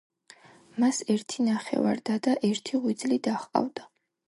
მას ერთი ნახევარ-და და ერთი ღვიძლი და ჰყავდა.